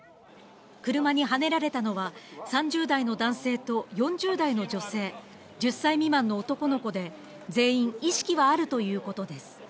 車にはねられたのは、３０代の男性と４０代の女性、１０歳未満の男の子で、全員意識はあるということです。